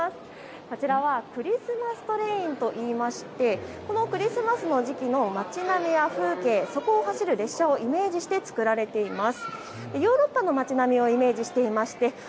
こちらはクリスマス・トレインといいましてこのクリスマス・トレイン、この町の風景、列車をイメージして作られています。